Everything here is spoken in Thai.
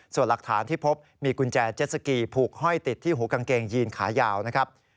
ส่วนหลักฐานที่พบมีกุญแจเจ็ดสกีผูกห้อยติดที่หูกางเกงยีนขายาวนะครับ